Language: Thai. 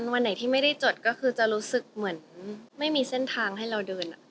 วันไหนที่ไม่ได้จดก็คือจะรู้สึกเหมือนไม่มีเส้นทางให้เราเดิน